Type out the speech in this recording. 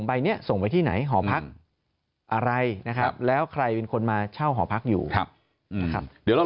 ใบนี้ส่งไว้ที่ไหนหอพักอะไรนะครับแล้วใครเป็นคนมาเช่าหอพักอยู่นะครับเดี๋ยวเรา